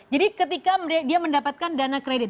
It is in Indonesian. jadi ketika dia mendapatkan dana kredit